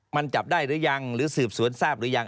มันจับได้หรือยังหรือสืบสวนทราบหรือยัง